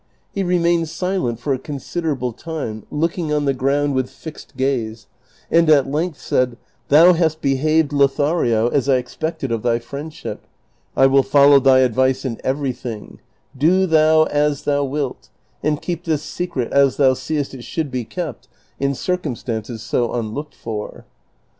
He remained silent for a considerable time, looking on the ground with fixed gaze, and at length said, "Thou hast behaved, Lothario, as I expected of thy friendship : I will follow thy advice in everything; do thou as thou wilt, and keep this secret as thou seest it should be kept in circumstances so unlooked for."